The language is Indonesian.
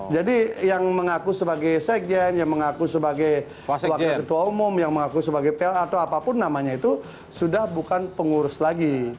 jadi yang mengaku sebagai sekjen yang mengaku sebagai wakil ketua umum yang mengaku sebagai pl atau apapun namanya itu sudah bukan pengurus lagi